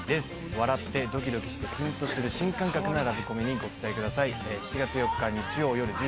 笑ってドキドキしてキュンとする新感覚なラブコメにご期待ください。